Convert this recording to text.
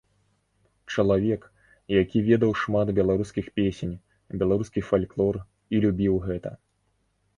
Чалавек, які ведаў шмат беларускіх песень, беларускі фальклор і любіў гэта.